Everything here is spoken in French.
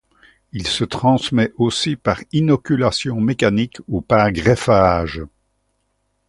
Il se transmet aussi par inoculation mécanique ou par greffage.